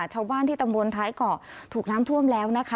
ชาวบ้านที่ตำบลท้ายเกาะถูกน้ำท่วมแล้วนะคะ